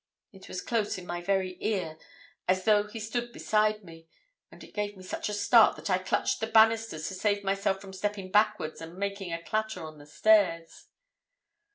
It was close in my very ear, as though he stood beside me, and it gave me such a start, that I clutched the banisters to save myself from stepping backwards and making a clatter on the stairs.